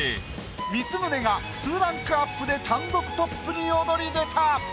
光宗が２ランクアップで単独トップに躍り出た。